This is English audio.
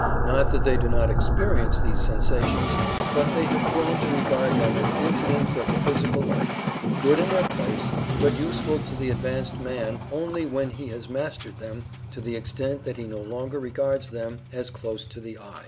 Not that they do not experience these sensations, but they have grown to regard them as incidents of the physical life good in their place but useful to the advanced man only when he has mastered them to the extent that he no longer regards them as close to the "I."